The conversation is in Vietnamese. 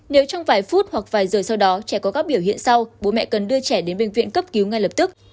nếu trong vài phút hoặc vài giờ sau đó trẻ có các biểu hiện sau bố mẹ cần đưa trẻ đến bệnh viện cấp cứu ngay lập tức